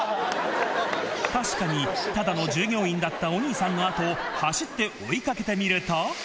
確かにただの従業員だったお兄さんの後を走って追いかけてみると。